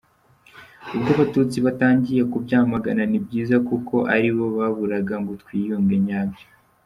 Ubwo Abatutsi batangiye kubyamagana, ni byiza kuko aribo baburaga ngo twiyunge nyabyo.